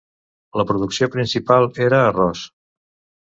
La producció principal era arròs.